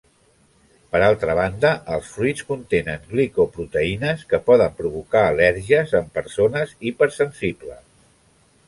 Per altra banda els fruits contenen glicoproteïnes que poden provocar al·lèrgies en persones hipersensibles.